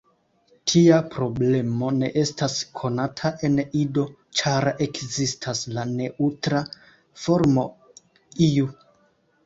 Tia problemo ne estas konata en Ido, ĉar ekzistas la neŭtra formo "lu".